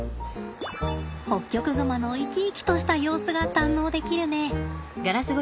ホッキョクグマの生き生きとした様子が堪能できるね。